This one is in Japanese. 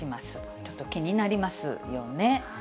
ちょっと気になりますよね。